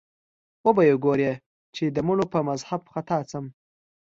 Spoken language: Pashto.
وبه یې ګورې چې د مړو په مذهب خطا شم